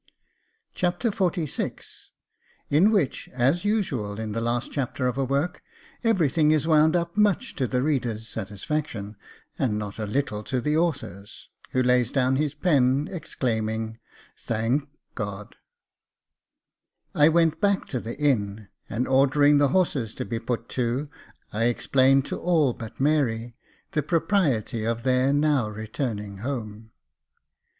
Chapter XLVI In which, as usual in the last chapter of a work, everything is wound up much to the reader's satisfaction, and not a little to the author's, who lays down his pen, exclaiming, "Thank God 1 " I WENT back to the inn, and ordering the horses to be put to, I explained to all but Mary the propriety of their now returning home.